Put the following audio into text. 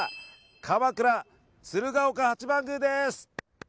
鎌倉・鶴岡八幡宮です。